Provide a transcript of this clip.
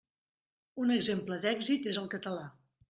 Un exemple d'èxit és el català.